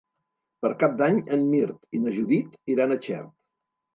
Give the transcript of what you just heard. Per Cap d'Any en Mirt i na Judit iran a Xert.